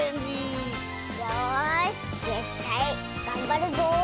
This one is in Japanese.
よしぜったいがんばるぞ！